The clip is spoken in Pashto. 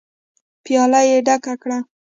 پياله يې ډکه کړه.